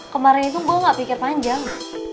kemarin itu gue gak pikir panjang